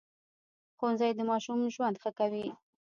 ښوونځی د ماشوم ژوند ښه کوي